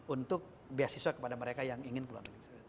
untuk beasiswa kepada mereka yang ingin keluar